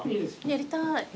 やりたい。